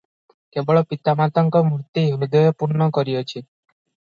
କେବଳ ପିତାମାତାଙ୍କ ମୂର୍ତ୍ତି ହୃଦୟ ପୂର୍ଣ୍ଣ କରିଅଛି ।